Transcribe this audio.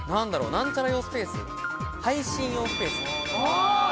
なんちゃら用スペース、配信用スペース。